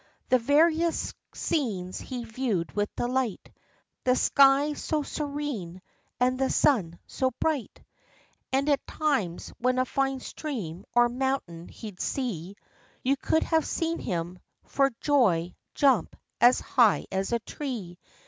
The various scenes he viewed with delight; The sky so serene, and the sun so bright! And at times, when a fine stream or mountain he'd see, You could have seen him, for joy, jump as high as a tree.